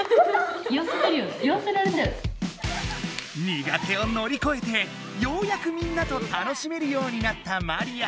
苦手をのりこえてようやくみんなと楽しめるようになったマリア！